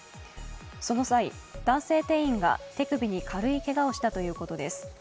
その際、男性店員が手首に軽いけがをしたということです。